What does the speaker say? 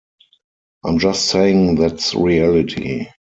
I'm just saying that's reality.